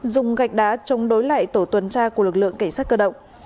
dùng gạch đá chống đối lại tổ tuần tra của lực lượng cảnh sát cơ động